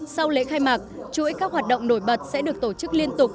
sau lễ khai mạc chuỗi các hoạt động nổi bật sẽ được tổ chức liên tục